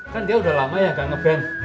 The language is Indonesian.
kan dia udah lama ya gak nge ban